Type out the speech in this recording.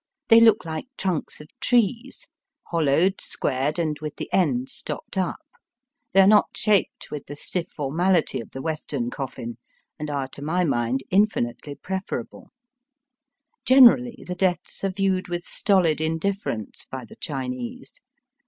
They look like trunks of trees, hollowed, squared, and with the ends stopped up. They are not shaped with the stiff formality of the Western coffin, and are to my mind infinitely preferable. Generally the deaths are viewed with stolid indifference by the Chinese.